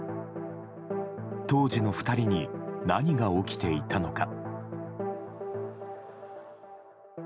当時の２人に何が起きていたのか。